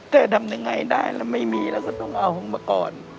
จะทำยังไงได้แล้วไม่มีแล้วก็ต้องเอาของป้าก่อน